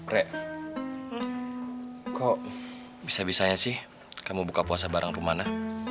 rek kok bisa bisanya sih kamu buka puasa bareng kemana